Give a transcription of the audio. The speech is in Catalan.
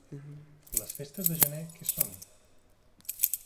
Les festes de gener què són?